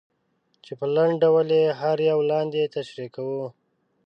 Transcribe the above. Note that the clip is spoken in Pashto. چې په لنډ ډول یې هر یو لاندې تشریح کوو.